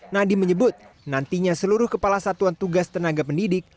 nadiem menyebut nantinya seluruh kepala satuan tugas tenaga pendidik